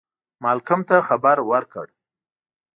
مالکم ته خبر ورکړ.